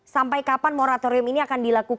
sampai kapan moratorium ini akan berjalan terus